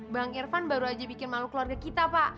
bang irfan baru aja bikin malu keluarga kita pak